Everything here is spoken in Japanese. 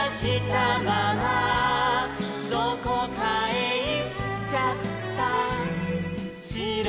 「どこかへいっちゃったしろ」